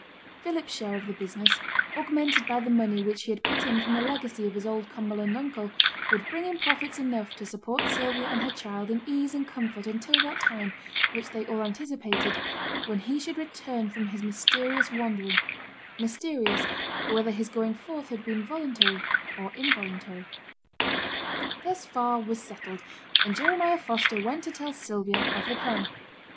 Philip's share of the business, augmented by the money which he had put in from the legacy of his old Cumberland uncle, would bring in profits enough to support Sylvia and her child in ease and comfort until that time, which they all anticipated, when he should return from his mysterious wandering mysterious, whether his going forth had been voluntary or involuntary. Thus far was settled; and Jeremiah Foster went to tell Sylvia of the plan.